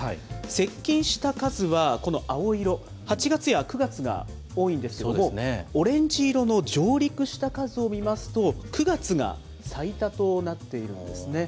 接近した数は、この青色、８月や９月が多いんですけれども、オレンジ色の上陸した数を見ますと、９月が最多となっているんですね。